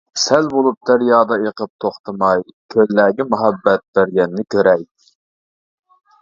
سەل بولۇپ دەريادا ئېقىپ توختىماي، كۆللەرگە مۇھەببەت بەرگەننى كۆرەي.